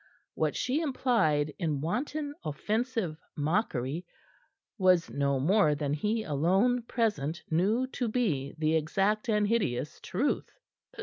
What she implied in wanton offensive mockery was no more than he alone present knew to be the exact and hideous truth.